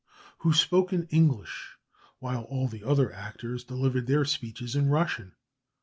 who spoke in English, while all the other characters delivered their speeches in Russian.